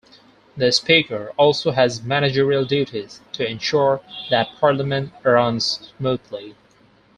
The Speaker also has managerial duties to ensure that Parliament runs smoothly.